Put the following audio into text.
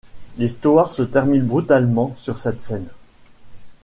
L’histoire se termine brutalement sur cette scène.